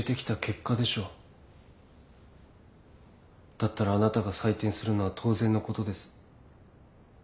だったらあなたが採点するのは当然のことです。